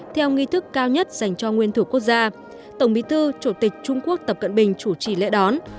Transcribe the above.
theo nghi thức cao nhất dành cho nguyên thủ quốc gia tổng bí thư chủ tịch trung quốc tập cận bình chủ trì lễ đón